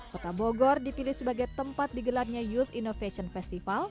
kota bogor dipilih sebagai tempat digelarnya youth innovation festival